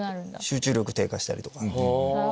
集中力低下したりとか。